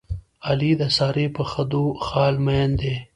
علي د سارې په خدو خال مین دی.